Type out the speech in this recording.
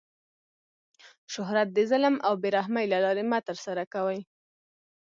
شهرت د ظلم او بې رحمۍ له لاري مه ترسره کوئ!